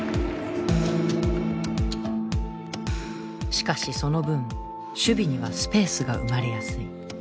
しかしその分守備にはスペースが生まれやすい。